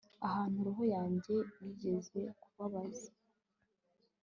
Ahantu roho yanjye yigeze kubabaza